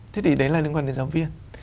thế thì đấy là liên quan đến giáo viên